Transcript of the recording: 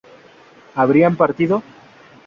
¿habrían partido?